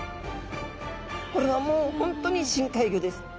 これはもう本当に深海魚です。